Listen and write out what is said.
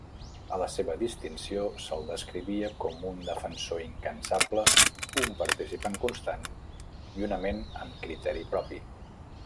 A la seva distinció se'l descrivia com "un defensor incansable, un participant constant i una ment amb criteri propi".